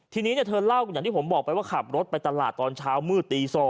ทีนี้เธอเล่าอย่างที่ผมบอกไปว่าขับรถไปตลาดตอนเช้ามืดตี๒